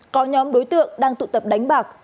có nhóm đối tượng đang tụ tập đánh bạc